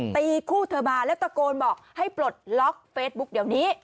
ตีคู่เธอมาแล้วตะโกนบอกให้ปลดล็อกเฟซบุ๊กเดี๋ยวนี้